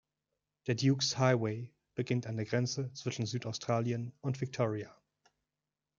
Der Dukes Highway beginnt an der Grenze zwischen Südaustralien und Victoria.